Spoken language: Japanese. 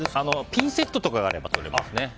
ピンセットとかがあれば取れますね。